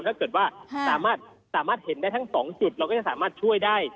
ถ้าเกิดว่าสามารถเห็นได้ทั้ง๒จุดเราก็จะสามารถช่วยได้